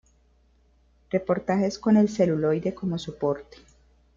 Reportajes con el celuloide como soporte.